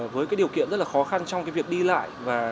với điều kiện rất khó khăn trong việc đi lại